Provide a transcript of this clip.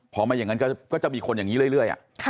พอไม่อย่างนั้นก็จะมีคนอย่างนี้เรื่อย